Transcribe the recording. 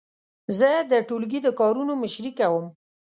زه د ټولګي د کارونو مشري کوم.